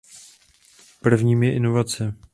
Prvním je inovace.